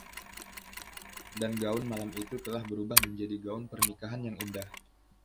Dan gaun malam itu telah berubah menjadi gaun pernikahan yang indah.